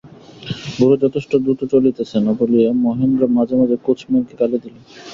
ঘোড়া যথেষ্ট দ্রুত চলিতেছে না বলিয়া মহেন্দ্র মাঝে মাঝে কোচম্যানকে গালি দিল।